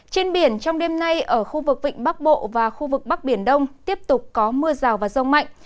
trên biển trong đêm nay ở khu vực vịnh bắc bộ và khu vực bắc biển đông tiếp tục có mưa rào và rông mạnh